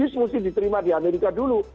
terus mesti diterima di amerika dulu